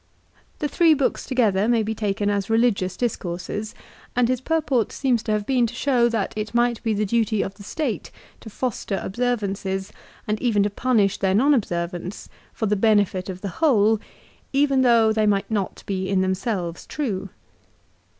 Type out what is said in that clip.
The three books together may be taken as religious discourses, and his purport seems to have been to show that it might be the duty of the State to foster observances and even to punish their non observance, for the benefit of the whole, even though they might not be in themselves true.